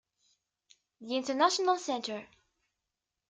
The International Centre.